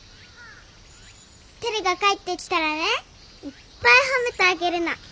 テルが帰ってきたらねいっぱい褒めてあげるの。